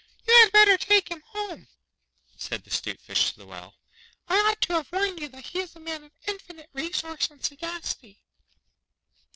'You had better take him home,' said the 'Stute Fish to the Whale. 'I ought to have warned you that he is a man of infinite resource and sagacity.